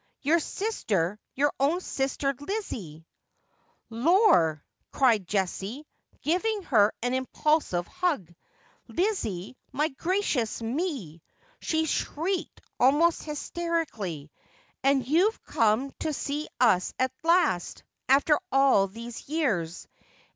Your kister, your own sister Lizzie !'' Lor !' cried Jessie, giving her an impulsive hug. 'Lizzie ! my gi aeious me !' she shrieked, almost hysterically. ' And you've come to see us at last, after all these years.